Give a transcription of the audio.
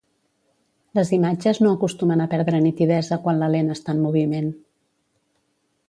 Les imatges no acostumen a perdre nitidesa quan la lent està en moviment.